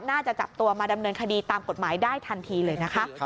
น่าจะจับตัวมาดำเนินคดีตามกฎหมายได้ทันทีเลย